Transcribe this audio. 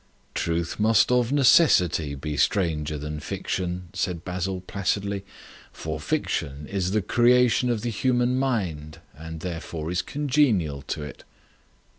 "Truth must of necessity be stranger than fiction," said Basil placidly. "For fiction is the creation of the human mind, and therefore is congenial to it."